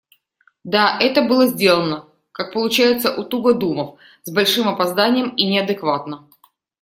Да, это было сделано, как получается у тугодумов, с большим опозданием и неадекватно.